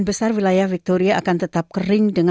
kata badan iklim uni eropa